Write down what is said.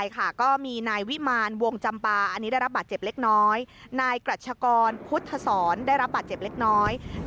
แม้กระทั่งคนอิสระเออเองก็ยังถูกจับเป็นตัวประกันด้วยเช่นกันค่ะ